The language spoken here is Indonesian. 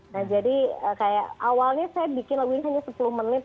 nah jadi kayak awalnya saya bikin wing hanya sepuluh menit